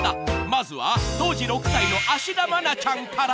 まずは当時６歳の芦田愛菜ちゃんから］